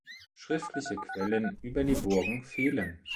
Schriftliche Quellen über die Burgen fehlen.